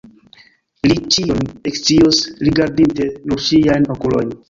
Li ĉion ekscios, rigardinte nur ŝiajn okulojn.